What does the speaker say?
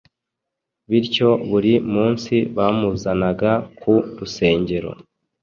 bityo buri munsi bamuzanaga ku rusengero